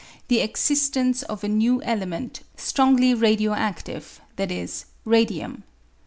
the existence of a new element, strongly radio aclive, viz., radium.